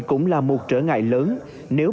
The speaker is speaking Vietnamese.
cũng là một trở ngại lớn nếu